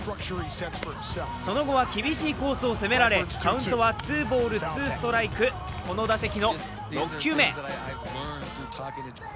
その後は厳しいコースを攻められ、カウントはツーボール・ツーストライクこの打席の６球目。